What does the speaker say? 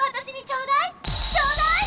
ちょうだい！